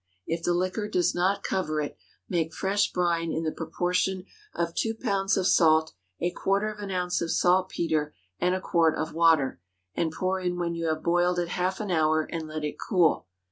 If the liquor does not cover it, make fresh brine in the proportion of two pounds of salt, a quarter of an ounce of saltpetre, and a quart of water, and pour in when you have boiled it half an hour and let it cool.